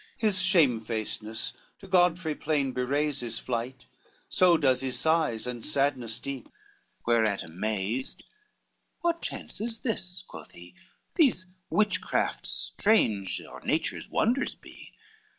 His shamefacedness to Godfrey plain bewrays His flight, so does his sighs and sadness deep: Whereat amazed, "What chance is this?" quoth he. "These witchcrafts strange or nature's wonders be.